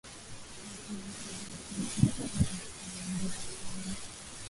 ma cha republican kimeshinda viti mia mbili arobaini